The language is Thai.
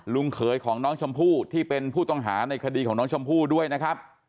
เขยของน้องชมพู่ที่เป็นผู้ต้องหาในคดีของน้องชมพู่ด้วยนะครับ